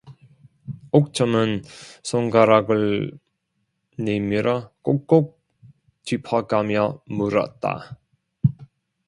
옥점은 손가락을 내밀어 꼭꼭 짚어 가며 물었다.